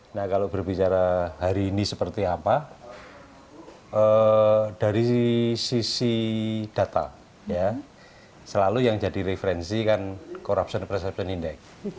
nah kalau berbicara hari ini seperti apa dari sisi data selalu yang jadi referensi kan corruption preception index